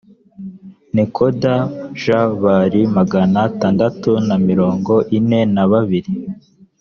nekoda j bari magana atandatu na mirongo ine na babiri